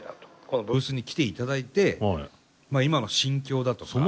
このブースに来ていただいて今の心境だとか。